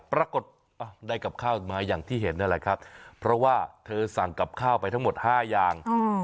ปรากฏได้กับข้าวมาอย่างที่เห็นนั่นแหละครับเพราะว่าเธอสั่งกับข้าวไปทั้งหมด๕อย่าง